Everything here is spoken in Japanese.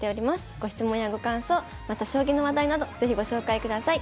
ご質問やご感想また将棋の話題など是非ご紹介ください。